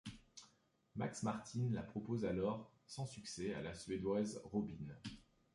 Max Martin la propose alors, sans succès, à la suédoise Robyn.